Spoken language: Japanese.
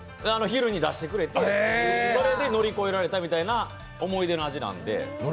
昼に出してくれてそれで乗り越えられたみたいな思い出の味なんで。